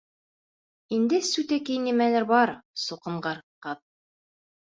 Һиндә, сүтәки, нимәлер бар, суҡынғыр ҡыҙ!